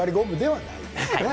はい。